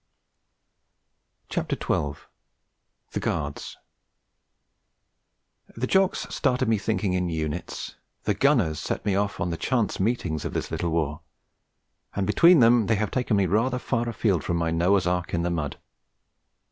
THE GUARDS The Jocks started me thinking in units, the Gunners set me off on the chance meetings of this little war, and between them they have taken me rather far afield from my Noah's Ark in the mud.